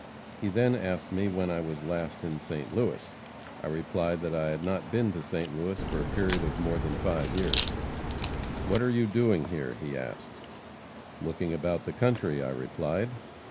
He then asked me when I was last in St. Louis. I replied that I had not been in St. Louis for a period of more than five years. 'What are you doing here?' he asked. 'Looking about the country,' I replied.